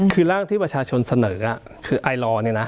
คือร่างที่ประชาชนเสนอคือไอลอร์เนี่ยนะ